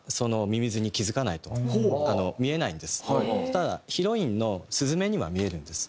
ただヒロインの鈴芽には見えるんです。